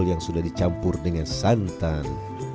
yang sudah dicampur dengan santan